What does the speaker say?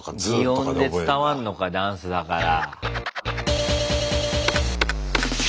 擬音で伝わんのかダンスだから。